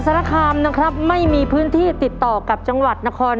แต่ต้องมารู้กันก่อนว่าวันนี้จะทำได้กี่ข้อผมขอให้โชคดีนะครับ